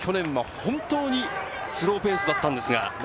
思えば去年は本当にスローペースだったんですが。